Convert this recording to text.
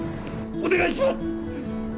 お願いします！